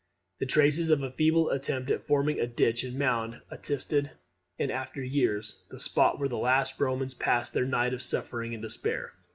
The traces of a feeble attempt at forming a ditch and mound attested in after years the spot where the last of the Romans passed their night of suffering and despair.